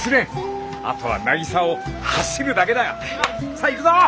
さあ行くぞ！